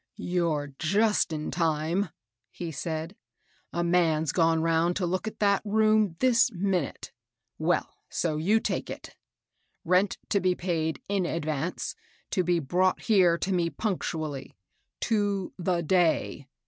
" You're just in time," he said. '* A man's gone round to look at that room this minute. Well, so 142 MABEL ROSS. you take it ? Bent to be paid in advance, — to be brought here to me punctually, to the day.